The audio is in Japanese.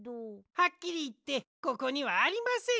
はっきりいってここにはありません。